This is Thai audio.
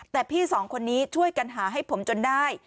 แต่พี่สองคนนี้ช่วยกันหาให้ผมจนได้